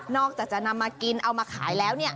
อกจากจะนำมากินเอามาขายแล้ว